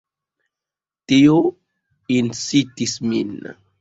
Tio incitis min.